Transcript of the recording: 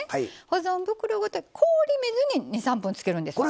保存袋ごと氷水に２３分つけるんです。